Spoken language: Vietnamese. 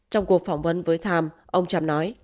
trong cuộc phỏng vấn với time ông trump nói